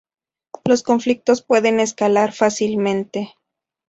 Los conflictos pueden escalar fácilmente.